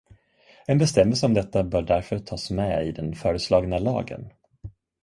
En bestämmelse om detta bör därför tas med i den föreslagna lagen.